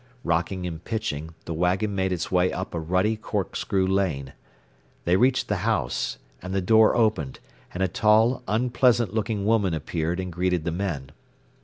Rocking and pitching, the wagon made its way up a rutty, corkscrew lane. They reached the house, and the door opened, and a tall, unpleasant looking woman appeared and greeted the men.